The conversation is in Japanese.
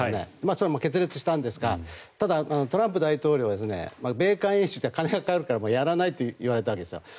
それは決裂したんですがただ、トランプ大統領が米韓演習は金がかかるからやらないと言われたわけですよ。